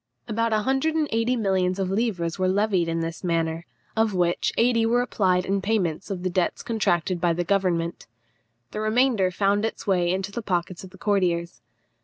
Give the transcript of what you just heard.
About a hundred and eighty millions of livres were levied in this manner, of which eighty were applied in payment of the debts contracted by the government. The remainder found its way into the pockets of the courtiers.